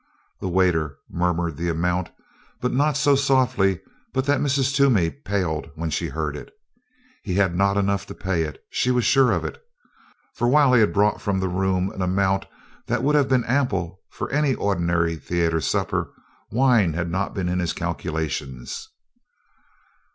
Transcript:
The waiter murmured the amount, but not so softly but that Mrs. Toomey paled when she heard it. He had not enough to pay it, she was sure of it, for while he had brought from the room an amount that would have been ample for any ordinary theater supper, wine had not been in his calculations.